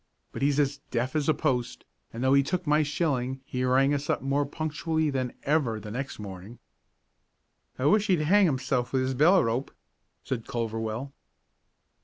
But he's as deaf as a post and though he took my shilling he rang us up more punctually than ever next morning." "I wish he'd hang himself with his bell rope," said Culverwell.